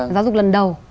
giáo dục lần đầu